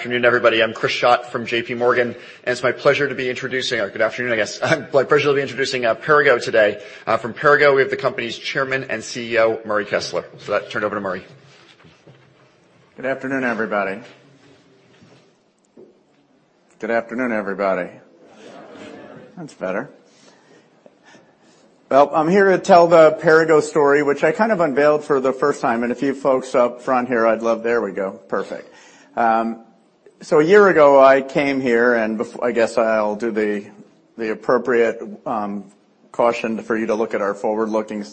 Afternoon, everybody. I'm Chris Schott from J.P. Morgan. Good afternoon, I guess. My pleasure to be introducing Perrigo today. From Perrigo, we have the company's Chairman and CEO, Murray Kessler. With that, turn it over to Murray. Good afternoon, everybody. Good afternoon. That's better. Well, I'm here to tell the Perrigo story, which I kind of unveiled for the first time, and if you folks up front here, There we go. Perfect. A year ago, I came here, and I guess I'll do the appropriate caution for you to look at our forward-looking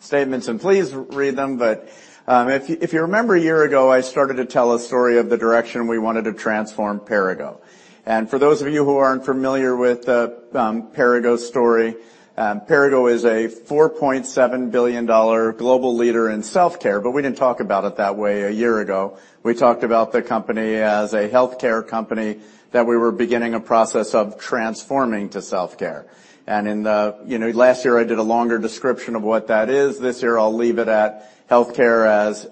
statements, and please read them. If you remember a year ago, I started to tell a story of the direction we wanted to transform Perrigo. For those of you who aren't familiar with the Perrigo story, Perrigo is a $4.7 billion global leader in self-care, but we didn't talk about it that way a year ago. We talked about the company as a healthcare company, that we were beginning a process of transforming to self-care. In the last year, I did a longer description of what that is. This year, I'll leave it at healthcare as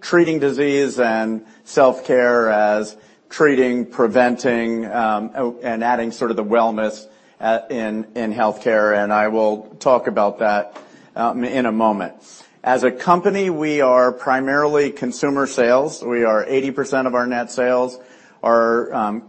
treating disease and self-care as treating, preventing, and adding sort of the wellness in healthcare, and I will talk about that in a moment. As a company, we are primarily consumer sales. 80% of our net sales are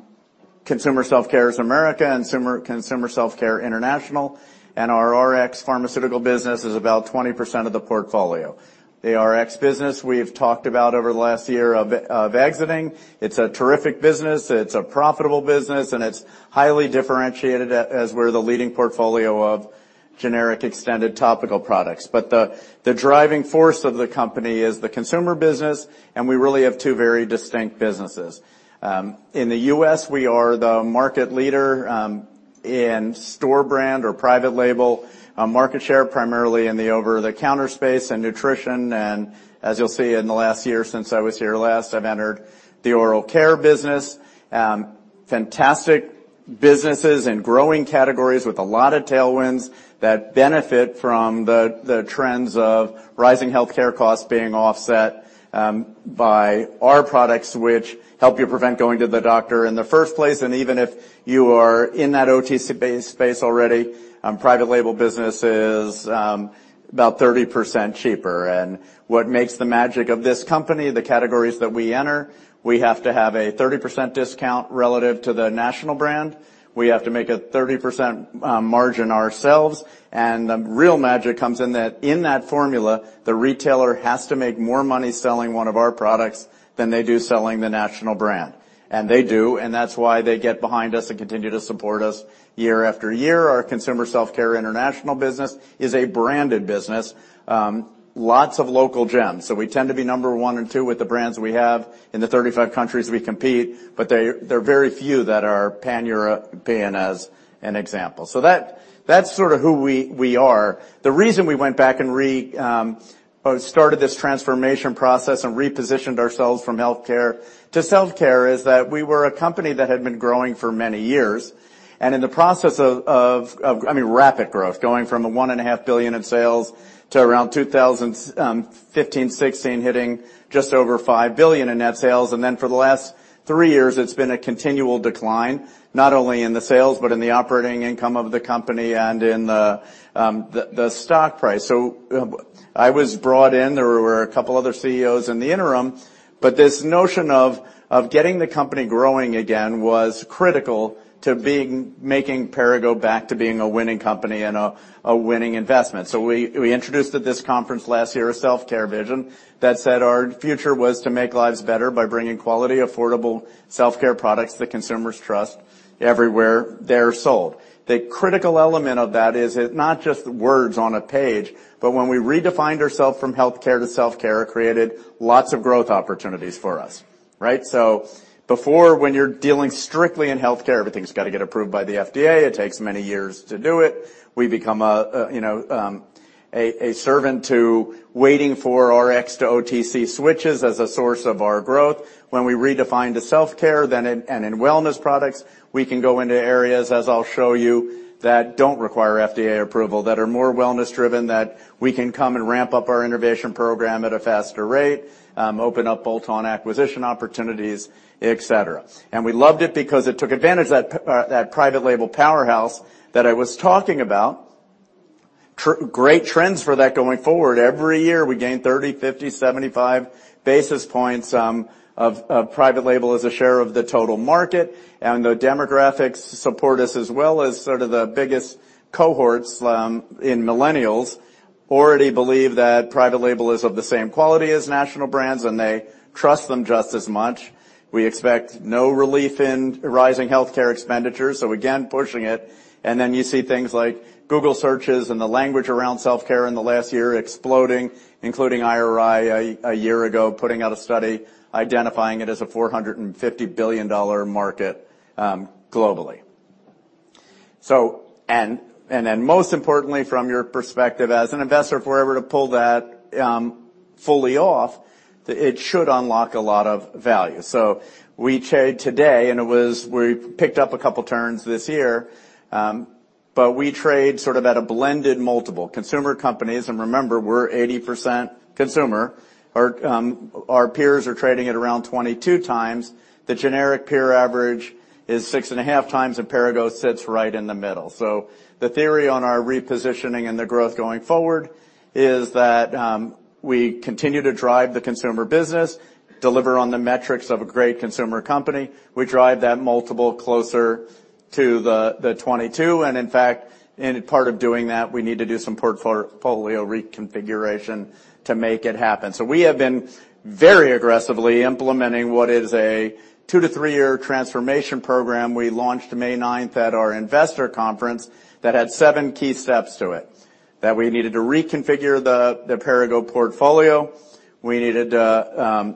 consumer self-care in America and consumer self-care international, and our Rx pharmaceutical business is about 20% of the portfolio. The Rx business we've talked about over the last year of exiting. It's a terrific business, it's a profitable business, and it's highly differentiated as we're the leading portfolio of generic extended topical products. The driving force of the company is the consumer business, and we really have two very distinct businesses. In the U.S., we are the market leader in store brand or private label, market share primarily in the over-the-counter space and nutrition, and as you'll see in the last year since I was here last, I've entered the oral care business. Fantastic businesses and growing categories with a lot of tailwinds that benefit from the trends of rising healthcare costs being offset by our products, which help you prevent going to the doctor in the first place, and even if you are in that OTC-based space already, private label business is about 30% cheaper. What makes the magic of this company, the categories that we enter, we have to have a 30% discount relative to the national brand. We have to make a 30% margin ourselves, and the real magic comes in that in that formula, the retailer has to make more money selling one of our products than they do selling the national brand. They do, and that's why they get behind us and continue to support us year after year. Our consumer self-care international business is a branded business. Lots of local gems. We tend to be number one and two with the brands we have in the 35 countries we compete, but there are very few that are Pan-European as an example. That's sort of who we are. The reason we went back and started this transformation process and repositioned ourselves from healthcare to self-care is that we were a company that had been growing for many years, I mean, rapid growth, going from a $1.5 billion in sales to around 2015, 2016, hitting just over $5 billion in net sales. For the last three years, it's been a continual decline, not only in the sales but in the operating income of the company and in the stock price. I was brought in, there were a couple other CEOs in the interim, but this notion of getting the company growing again was critical to making Perrigo go back to being a winning company and a winning investment. We introduced at this conference last year, a self-care vision that said our future was to make lives better by bringing quality, affordable self-care products that consumers trust everywhere they're sold. The critical element of that is it not just words on a page, but when we redefined ourself from healthcare to self-care, it created lots of growth opportunities for us. Right? Before, when you're dealing strictly in healthcare, everything's got to get approved by the FDA. It takes many years to do it. We become a servant to waiting for Rx-to-OTC switches as a source of our growth. When we redefined to self-care, and in wellness products, we can go into areas, as I'll show you, that don't require FDA approval, that are more wellness-driven, that we can come and ramp up our innovation program at a faster rate, open up bolt-on acquisition opportunities, et cetera. We loved it because it took advantage of that private label powerhouse that I was talking about. Great trends for that going forward. Every year, we gain 30, 50, 75 basis points of private label as a share of the total market. The demographics support us as well as sort of the biggest cohorts in millennials already believe that private label is of the same quality as national brands, and they trust them just as much. We expect no relief in rising healthcare expenditures, again pushing it. You see things like Google searches and the language around self-care in the last year exploding, including IRI a year ago, putting out a study identifying it as a $450 billion market globally. Most importantly, from your perspective as an investor, if we're ever to pull that fully off, it should unlock a lot of value. We trade today, and we picked up a couple turns this year. We trade sort of at a blended multiple. Consumer companies, and remember, we're 80% consumer, our peers are trading at around 22 times. The generic peer average is six and a half times, and Perrigo sits right in the middle. The theory on our repositioning and the growth going forward is that we continue to drive the consumer business, deliver on the metrics of a great consumer company. We drive that multiple closer to the 22. In fact, in part of doing that, we need to do some portfolio reconfiguration to make it happen. We have been very aggressively implementing what is a two to three-year transformation program we launched May 9th, at our investor conference that had seven key steps to it. We needed to reconfigure the Perrigo portfolio. We needed to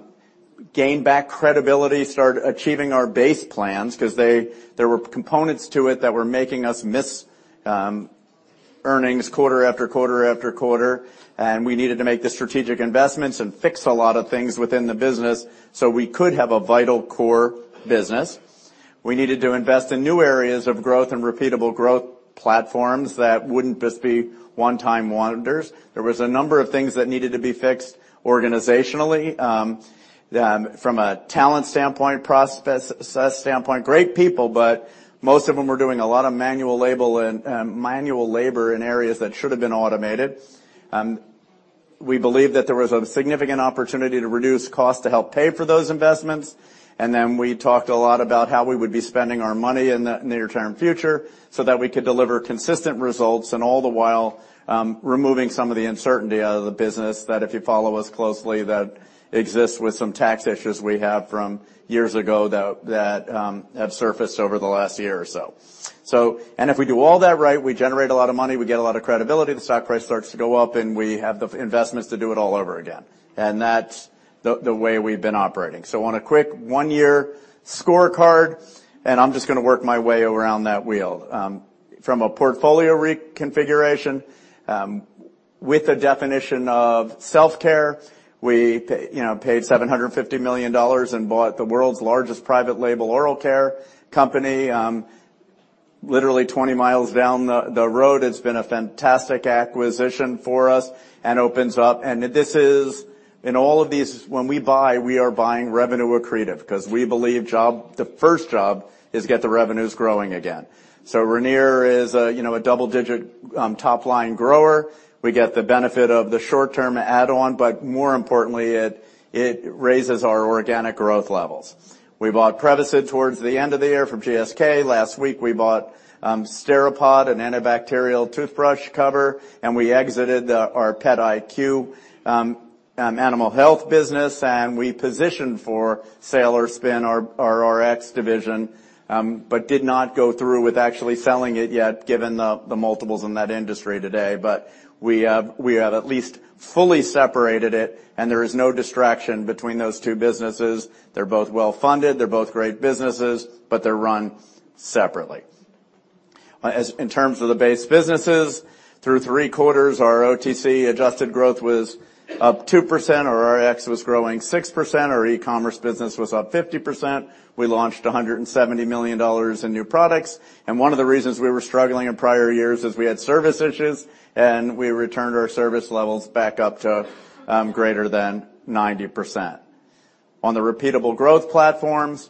gain back credibility, start achieving our base plans, because there were components to it that were making us miss earnings quarter after quarter. We needed to make the strategic investments and fix a lot of things within the business so we could have a vital core business. We needed to invest in new areas of growth and repeatable growth platforms that wouldn't just be one-time wonders. There was a number of things that needed to be fixed organizationally, from a talent standpoint, process standpoint. Great people, but most of them were doing a lot of manual labor in areas that should have been automated. We believe that there was a significant opportunity to reduce cost to help pay for those investments. Then we talked a lot about how we would be spending our money in the near-term future so that we could deliver consistent results, and all the while, removing some of the uncertainty out of the business, that if you follow us closely, that exists with some tax issues we have from years ago that have surfaced over the last year or so. If we do all that right, we generate a lot of money, we get a lot of credibility, the stock price starts to go up, and we have the investments to do it all over again. That's the way we've been operating. On a quick one-year scorecard, and I'm just going to work my way around that wheel. From a portfolio reconfiguration, with a definition of self-care, we paid $750 million and bought the world's largest private label oral care company, literally 20 miles down the road. It's been a fantastic acquisition for us and opens up, and all of these, when we buy, we are buying revenue accretive, because we believe the first job is get the revenues growing again. Ranir is a double-digit top-line grower. We get the benefit of the short-term add-on, but more importantly, it raises our organic growth levels. We bought Prevacid towards the end of the year from GSK. Last week, we bought Steripod, an antibacterial toothbrush cover. We exited our PetIQ animal health business. We positioned for sale or spin our Rx division, did not go through with actually selling it yet, given the multiples in that industry today. We have at least fully separated it. There is no distraction between those two businesses. They're both well-funded, they're both great businesses, but they're run separately. In terms of the base businesses, through three quarters, our OTC adjusted growth was up 2%, our Rx was growing 6%, our e-commerce business was up 50%. We launched $170 million in new products. One of the reasons we were struggling in prior years is we had service issues. We returned our service levels back up to greater than 90%. On the repeatable growth platforms,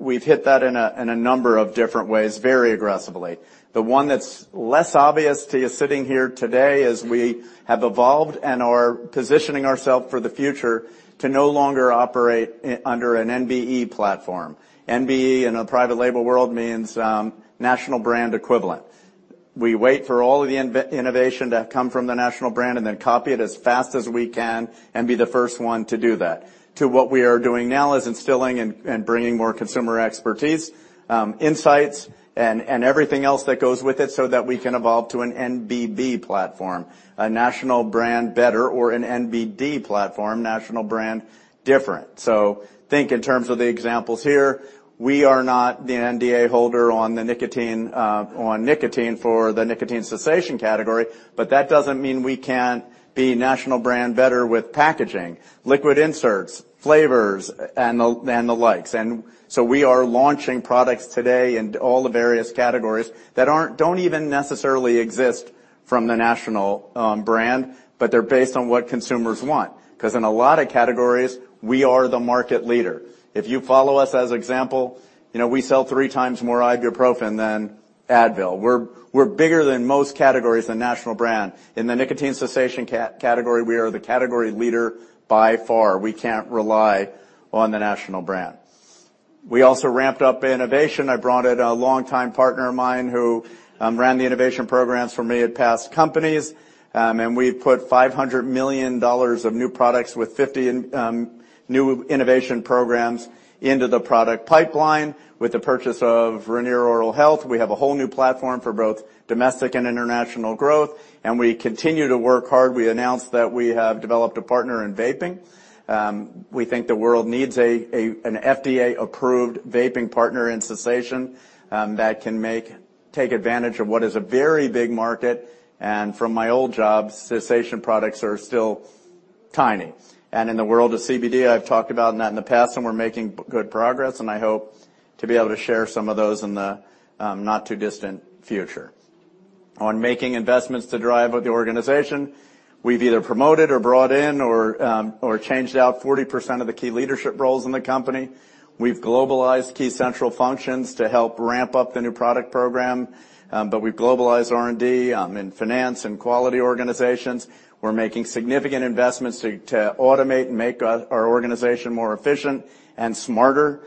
we've hit that in a number of different ways very aggressively. The one that's less obvious to you sitting here today is we have evolved and are positioning ourselves for the future to no longer operate under an NBE platform. NBE in a private label world means national brand equivalent. Then copy it as fast as we can and be the first one to do that. What we are doing now is instilling and bringing more consumer expertise, insights, and everything else that goes with it so that we can evolve to an NBB platform, a national brand better, or an NBD platform, national brand different. Think in terms of the examples here. We are not the NDA holder on nicotine for the nicotine cessation category, that doesn't mean we can't be national brand better with packaging, liquid inserts, flavors, and the likes. We are launching products today in all the various categories that don't even necessarily exist from the national brand, but they're based on what consumers want. Because in a lot of categories, we are the market leader. If you follow us as example, we sell three times more ibuprofen than Advil. We're bigger than most categories than national brand. In the nicotine cessation category, we are the category leader by far. We can't rely on the national brand. We also ramped up innovation. I brought in a longtime partner of mine who ran the innovation programs for me at past companies, and we put $500 million of new products with 50 new innovation programs into the product pipeline. With the purchase of Ranir Oral Health, we have a whole new platform for both domestic and international growth, and we continue to work hard. We announced that we have developed a partner in vaping. We think the world needs an FDA-approved vaping partner in cessation that can take advantage of what is a very big market. From my old job, cessation products are still tiny. In the world of CBD, I've talked about that in the past, and we're making good progress, and I hope to be able to share some of those in the not too distant future. On making investments to drive the organization, we've either promoted or brought in or changed out 40% of the key leadership roles in the company. We've globalized key central functions to help ramp up the new product program, but we've globalized R&D in finance and quality organizations. We're making significant investments to automate and make our organization more efficient and smarter.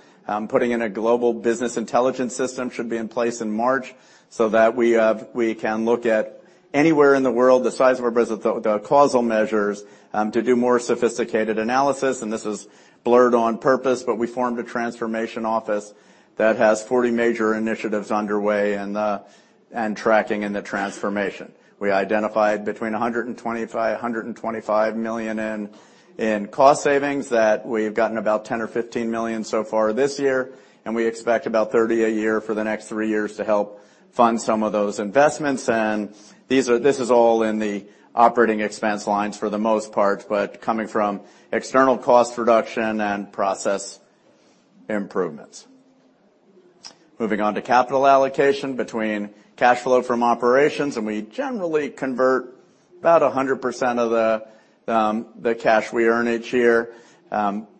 Putting in a global business intelligence system should be in place in March so that we can look at anywhere in the world the size of our business, the causal measures, to do more sophisticated analysis. This is blurred on purpose, but we formed a transformation office that has 40 major initiatives underway and tracking in the transformation. We identified between $100 million and $125 million in cost savings that we've gotten about $10 million or $15 million so far this year, and we expect about $30 million a year for the next three years to help fund some of those investments. This is all in the operating expense lines for the most part, but coming from external cost reduction and process improvements. Moving on to capital allocation between cash flow from operations. We generally convert about 100% of the cash we earn each year.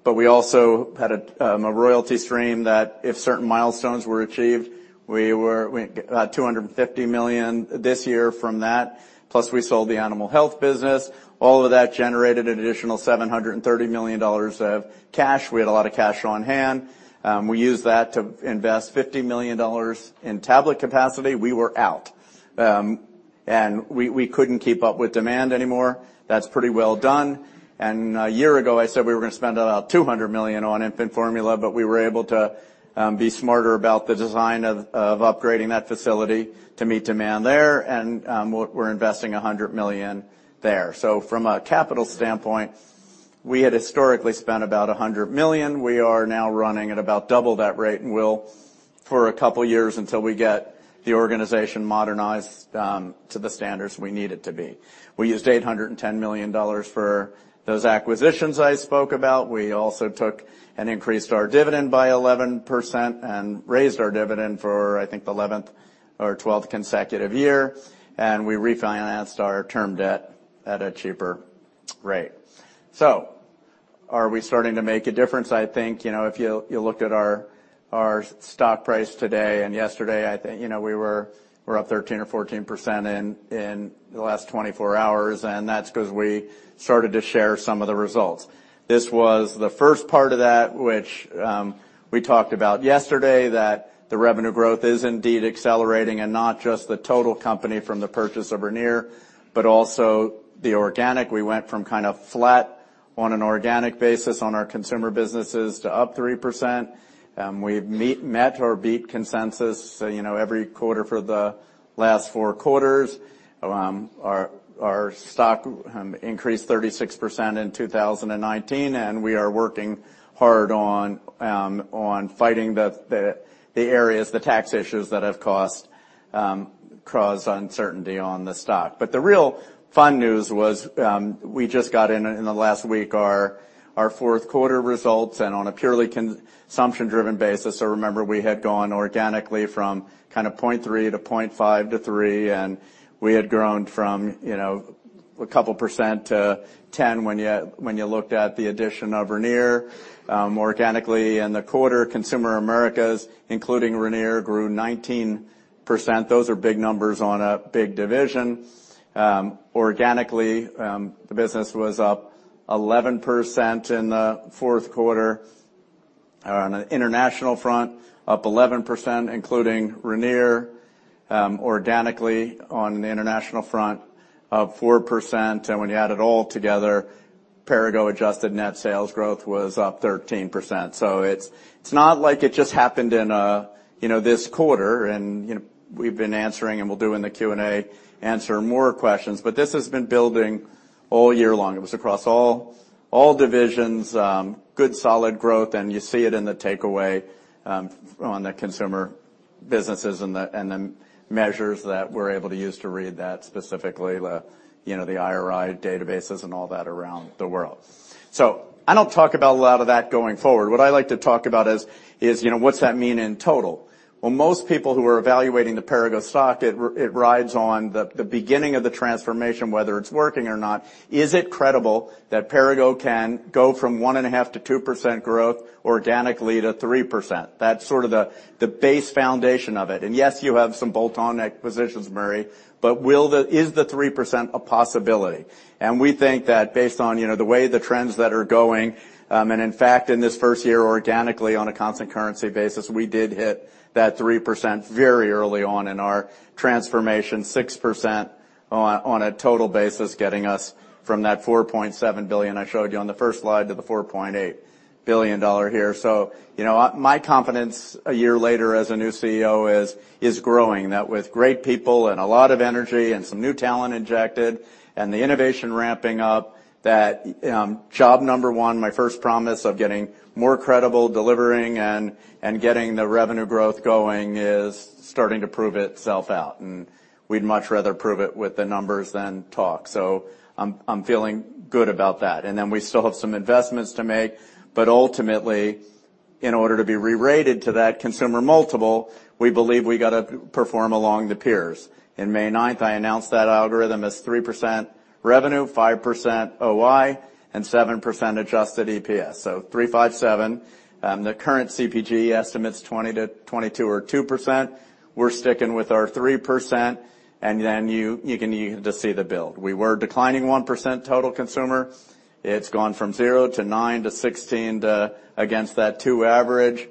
We also had a royalty stream that if certain milestones were achieved, we got $250 million this year from that, plus we sold the Animal Health business. All of that generated an additional $730 million of cash. We had a lot of cash on hand. We used that to invest $50 million in tablet capacity. We were out, and we couldn't keep up with demand anymore. That's pretty well done. A year ago, I said we were going to spend about $200 million on infant formula, but we were able to be smarter about the design of upgrading that facility to meet demand there. We're investing $100 million there. From a capital standpoint, we had historically spent about $100 million. We are now running at about double that rate and will for a couple of years until we get the organization modernized to the standards we need it to be. We used $810 million for those acquisitions I spoke about. We also took and increased our dividend by 11% and raised our dividend for, I think, the 11th or 12th consecutive year. We refinanced our term debt at a cheaper rate. Are we starting to make a difference? I think, if you looked at our stock price today and yesterday, I think we're up 13% or 14% in the last 24 hours. That's because we started to share some of the results. This was the first part of that, which we talked about yesterday, that the revenue growth is indeed accelerating and not just the total company from the purchase of Ranir, but also the organic. We went from kind of flat on an organic basis on our consumer businesses to up 3%. We've met or beat consensus every quarter for the last four quarters. We are working hard on fighting the areas, the tax issues that have caused uncertainty on the stock. The real fun news was we just got in in the last week our Q4 results on a purely consumption-driven basis. Remember, we had gone organically from kind of 0.3-0.5-3, and we had grown from a couple percent to 10% when you looked at the addition of Ranir organically. The quarter Consumer Americas, including Ranir, grew 19%. Those are big numbers on a big division. Organically, the business was up 11% in the Q4. On an international front, up 11%, including Ranir organically on the international front, up 4%. When you add it all together, Perrigo adjusted net sales growth was up 13%. It's not like it just happened in this quarter, and we've been answering and we'll do in the Q&A, answer more questions, but this has been building all year long. It was across all divisions, good solid growth, and you see it in the takeaway on the consumer businesses and the measures that we're able to use to read that specifically, the IRI databases and all that around the world. I don't talk about a lot of that going forward. What I like to talk about is what's that mean in total? Most people who are evaluating the Perrigo stock, it rides on the beginning of the transformation, whether it's working or not. Is it credible that Perrigo can go from 1.5%-2% growth organically to 3%? That's sort of the base foundation of it. Yes, you have some bolt-on acquisitions, Murray, but is the 3% a possibility? We think that based on the way the trends that are going, and in fact, in this first year organically on a constant currency basis, we did hit that 3% very early on in our transformation, 6% on a total basis getting us from that $4.7 billion I showed you on the first slide to the $4.8 billion here. My confidence a year later as a new CEO is growing, that with great people and a lot of energy and some new talent injected and the innovation ramping up, that job number one, my first promise of getting more credible delivering and getting the revenue growth going is starting to prove itself out. We'd much rather prove it with the numbers than talk. I'm feeling good about that. We still have some investments to make, but ultimately, in order to be re-rated to that consumer multiple, we believe we got to perform along the peers. In May 9th, I announced that algorithm as 3% revenue, 5% OI, and 7% adjusted EPS. 3, 5, 7. The current CPG estimates 2020-2022 or 2%. We're sticking with our 3%, and then you can see the build. We were declining 1% total consumer. It's gone from zero to nine to 16, against that two average.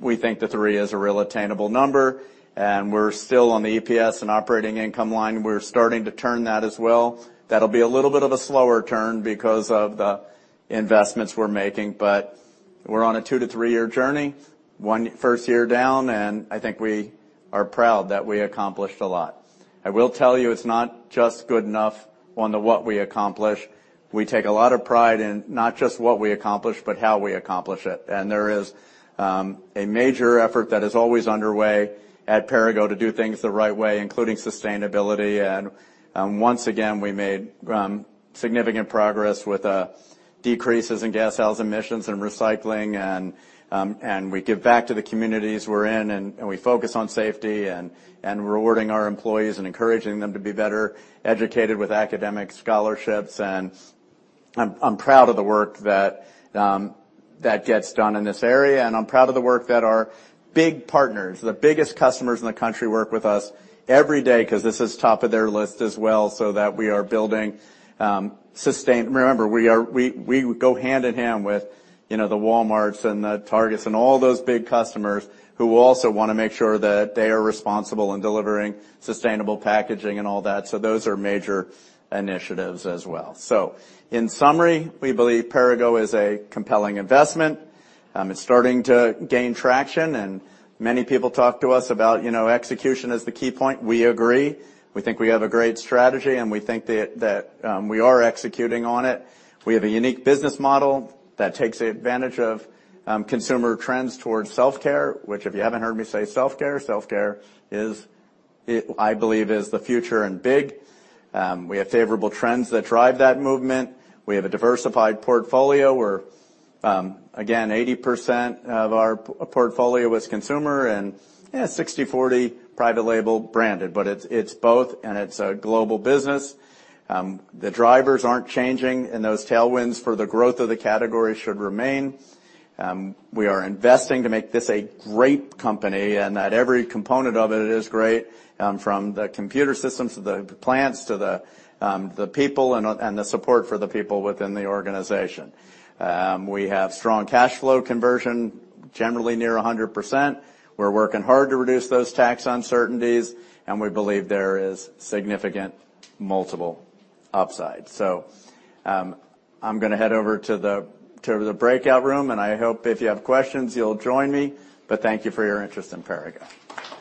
We think the three is a real attainable number, and we're still on the EPS and operating income line. We're starting to turn that as well. That'll be a little bit of a slower turn because of the investments we're making, but we're on a two- to three-year journey, first year down, and I think we are proud that we accomplished a lot. I will tell you it's not just good enough on the what we accomplish. We take a lot of pride in not just what we accomplish, but how we accomplish it. There is a major effort that is always underway at Perrigo to do things the right way, including sustainability, and once again, we made significant progress with decreases in greenhouse gas emissions and recycling, and we give back to the communities we're in, and we focus on safety and rewarding our employees and encouraging them to be better educated with academic scholarships. I'm proud of the work that gets done in this area, and I'm proud of the work that our big partners, the biggest customers in the country, work with us every day because this is top of their list as well, so that we are building. Remember, we go hand-in-hand with the Walmarts and the Targets and all those big customers who also want to make sure that they are responsible in delivering sustainable packaging and all that. Those are major initiatives as well. In summary, we believe Perrigo is a compelling investment. It's starting to gain traction, and many people talk to us about execution as the key point. We agree. We think we have a great strategy, and we think that we are executing on it. We have a unique business model that takes advantage of consumer trends towards self-care, which, if you haven't heard me say self-care, self-care, I believe, is the future and big. We have favorable trends that drive that movement. We have a diversified portfolio where, again, 80% of our portfolio is consumer and 60/40 private label branded. It's both, and it's a global business. The drivers aren't changing, and those tailwinds for the growth of the category should remain. We are investing to make this a great company and that every component of it is great, from the computer systems to the plants to the people and the support for the people within the organization. We have strong cash flow conversion, generally near 100%. We're working hard to reduce those tax uncertainties, and we believe there is significant multiple upside. I'm going to head over to the breakout room, and I hope if you have questions, you'll join me. Thank you for your interest in Perrigo.